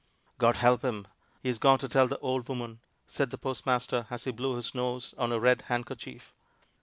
"God help him! he's gone to tell the old woman," said the postmaster as he blew his nose on a red handkerchief.